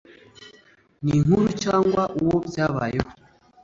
ninkuru cyangwa uwo byabayeho